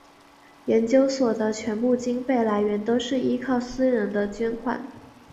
研究所的全部经费来源都是依靠私人的捐款。